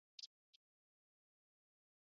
治两感伤寒。